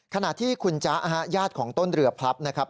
ขณะที่คุณจ๊ะญาติของต้นเรือพลับนะครับ